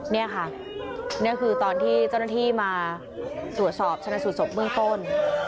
นี่ค่ะนี่คือตอนที่เจ้าหน้าที่มาตรวจสอบชนะสูตรศพเบื้องต้น